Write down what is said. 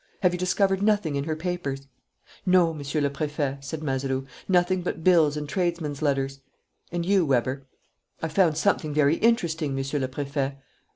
Have you discovered nothing in her papers?" "No, Monsieur le Préfet," said Mazeroux. "Nothing but bills and tradesmen's letters." "And you, Weber?" "I've found something very interesting, Monsieur le Préfet."